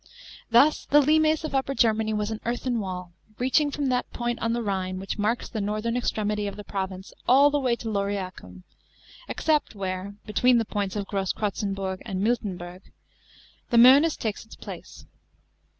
Thus the limes of Upper Germany was an earthen wall, reaching from that point on the Rhine which marks the northern extremity of the province, all the way to Lauriacum, except where (b tween the points Grosskrotzeuburg ami Miltei.berg) the Moenus takes its place.